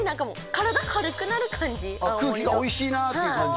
いやもっと空気がおいしいなっていう感じ？